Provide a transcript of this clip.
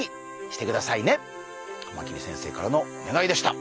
カマキリ先生からのお願いでした。